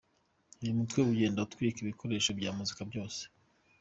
Uyu mutwe ugenda utwika ibikoresho bya muzika byose.